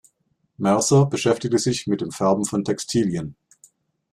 Mercer beschäftigte sich mit dem Färben von Textilien.